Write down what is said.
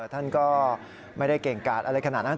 ท่านก็ไม่ได้เก่งกาดอะไรขนาดนั้น